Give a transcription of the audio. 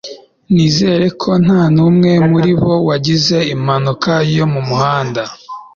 nizere ko nta n'umwe muri bo wagize impanuka yo mu muhanda